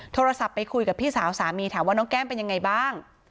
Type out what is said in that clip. โทรศัพท์ไปคุยกับพี่สาวสามีถามว่าน้องแก้มเป็นยังไงบ้าง